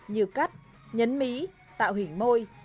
như cắt nhấn mí tạo hình môi